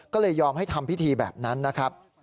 ก็เลยยอมให้ทำพิธีแบบนั้นนะครับ